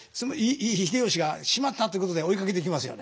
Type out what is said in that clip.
秀吉が「しまった！」ということで追いかけてきますよね